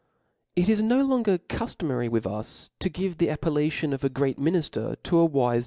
It is no longer cuftomary with us to give the ap pellation of. a great miniftcr to a wife.